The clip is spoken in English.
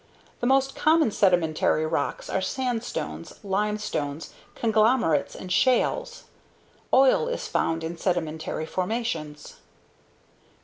The most common sedimentary rocks are sandstones, limestones, conglomerates and shales. Oil is found in sedimentary formations.